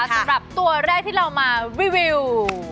สำหรับตัวแรกที่เรามาวิว